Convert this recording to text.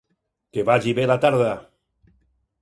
Que vagi bé la tarda.